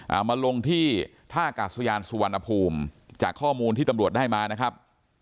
เอามาลงที่ท่ากาศยานสุวรรณภูมิจากข้อมูลที่ตำรวจได้มานะครับ